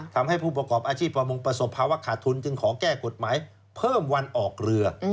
ทำให้ผู้ประกอบอาชีพประมงประสบภาวะขาดทุนจึงขอแก้กฎหมายเพิ่มวันออกเรือ